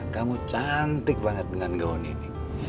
kamu cantik banget dengan gaun ini